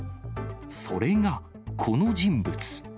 それが、この人物。